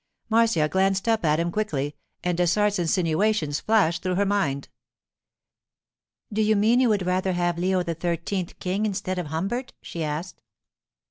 Marcia glanced up at him quickly and Dessart's insinuations flashed through her mind. 'Do you mean you would rather have Leo XIII king instead of Humbert?' she asked.